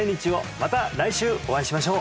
また来週お会いしましょう